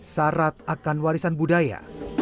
sarat akan warisan budaya